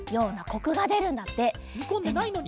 にこんでないのに？